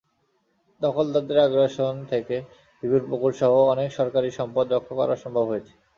দখলদারদের আগ্রাসন থেকে বিবির পুকুরসহ অনেক সরকারি সম্পদ রক্ষা করা সম্ভব হয়েছে।